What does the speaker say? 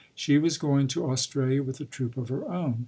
She was going to Australia with a troupe of her own.